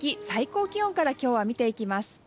最高気温から今日は見ていきます。